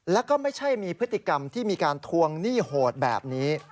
แล้วก็ไม่ใช่มีพฤติกรรมที่มีการทวงหนี้โหดแบบนี้